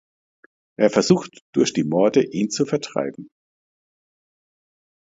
Er versuchte durch die Morde ihn zu vertreiben.